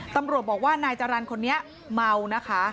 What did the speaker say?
ตำรวจบอกว่านายจรรย์คนนี้เมานะคะ